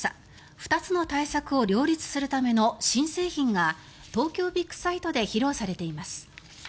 ２つの対策を両立するための新製品が東京ビッグサイトで披露されています。